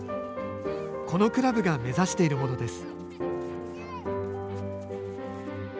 このクラブが目指しているものです。